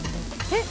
えっ？